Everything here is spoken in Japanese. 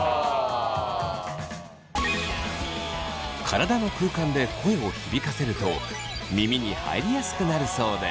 体の空間で声を響かせると耳に入りやすくなるそうです。